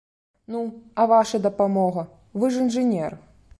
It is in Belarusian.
Ну, а ваша дапамога, вы ж інжынер?